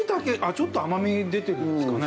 ちょっと甘みが出てるんですかね。